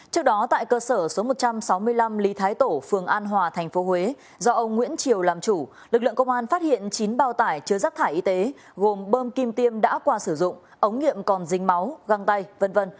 trước đó tại cơ sở số một trăm sáu mươi năm lý thái tổ phường an hòa tp huế do ông nguyễn triều làm chủ lực lượng công an phát hiện chín bao tải chứa rác thải y tế gồm bơm kim tiêm đã qua sử dụng ống nghiệm còn dính máu găng tay v v